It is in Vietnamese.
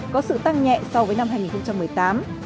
có sự tăng nhẹ so với năm hai nghìn một mươi tám